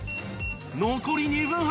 残り２分半